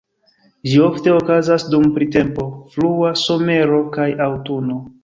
Ĝi ofte okazas dum printempo, frua somero kaj aŭtuno.